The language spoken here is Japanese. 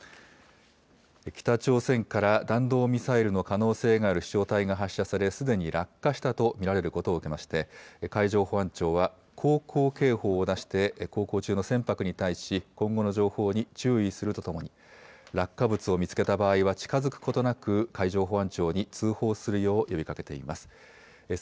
北朝鮮から弾道ミサイルの可能性がある飛しょう体が発射され、すでに落下したと見られることを受けまして、海上保安庁は、航行警報を出して航行中の船舶に対し、今後の情報に注意するとともに、落下物を見つけた場合は、近づくことなく、海上保安庁に通報するよう呼びかけています。